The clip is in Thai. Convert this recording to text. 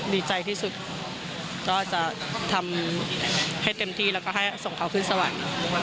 ดีใจที่สุดก็จะทำให้เต็มที่แล้วก็ให้ส่งเขาขึ้นสวรรค์